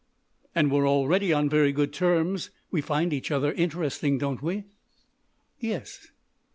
"And we're already on very good terms. We find each other interesting, don't we?" "Yes."